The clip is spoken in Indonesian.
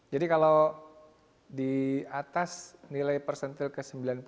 jadi kalau di atas nilai persentil ke sembilan puluh lima